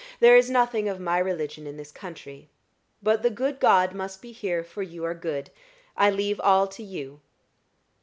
There is nothing of my religion in this country. But the good God must be here, for you are good; I leave all to you."